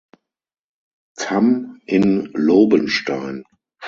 Tamm in Lobenstein.